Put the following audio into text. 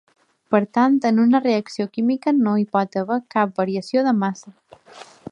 Per tant, en una reacció química no hi pot haver cap variació de massa.